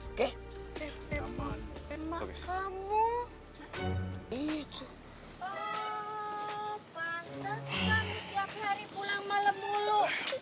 oh pantes kamu tiap hari pulang malem mulu